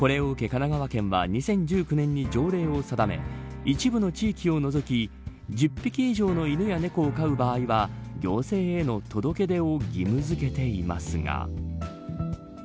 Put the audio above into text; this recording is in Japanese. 神奈川県は２０１９年に条例を定め一部の地域を除き１０匹以上の犬や猫を飼う場合は行政への届け出を義務付けていますが。